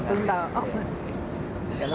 belum tahu oh mustika bumi